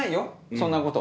そんなこと。